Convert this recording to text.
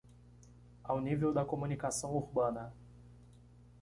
Ao nível da comunicação urbana